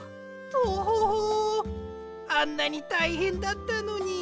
トホホあんなにたいへんだったのに。